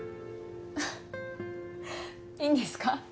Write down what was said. アハいいんですか？